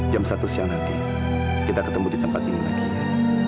jam satu siang nanti kita ketemu di tempat ini lagi ya